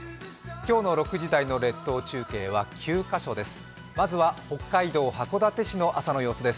今日の６時台の列島中継は９カ所です。